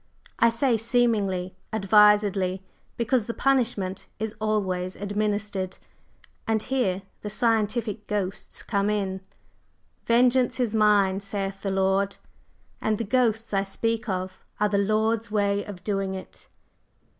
I say 'seemingly' advisedly, because the punishment is always administered. And here the 'scientific ghosts' come in. 'Vengeance is mine,' saith the Lord, and the ghosts I speak of are the Lord's way of doing it."